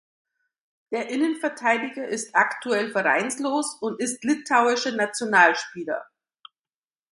Der Innenverteidiger ist aktuell vereinslos und ist litauischer Nationalspieler.